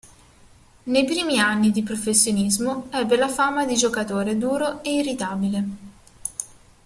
Nei primi anni di professionismo ebbe la fama di giocatore duro e irritabile.